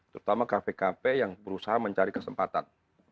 terutama kafe kafe yang berusaha mencari kesempatan